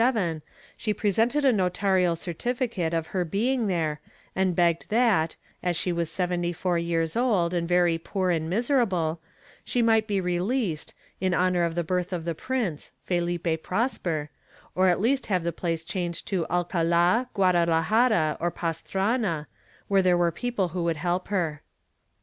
December 24, 1657, she presented a notarial certificate of her being there and begged that, as she was 74 years old and very poor and miserable, she might be released, in honor of the birth of the prince (Felipe Prosper) or at least have the place changed to Alcald, Guadalajara or Pastrana, where there were people who would help her.